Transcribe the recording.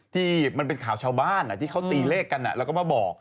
ที่มันเป็นข่าวชาวบ้านที่เขาตีเลขกันแล้วก็มาบอก